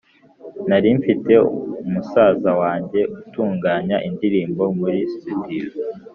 Nari mfite musaza wange utunganya indirimbo muri "studio"